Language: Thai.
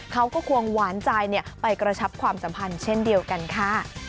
ควงหวานใจไปกระชับความสัมพันธ์เช่นเดียวกันค่ะ